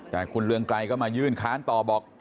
แต่คุณเรืองไกรก็มายื่นค้านต่อบอก